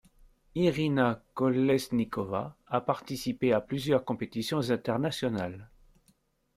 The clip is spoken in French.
Irina Kolesnikova a participé à plusieurs compétitions internationales.